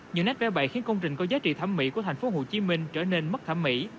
những nét vẽ bậy khiến công trình có giá trị thẩm mỹ của thành phố hồ chí minh trở nên mất thẩm mỹ